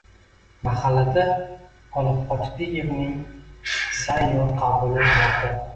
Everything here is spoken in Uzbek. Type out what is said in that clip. Mahallada Olibqochdievning sayyor qabuli o`tmoqda